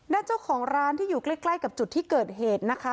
เจ้าของร้านที่อยู่ใกล้กับจุดที่เกิดเหตุนะคะ